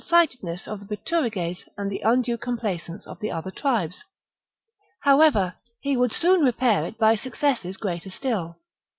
sightedness of the Bituriges and the undue complaisance of the other tribes. However, he would soon repair it by successes greater still.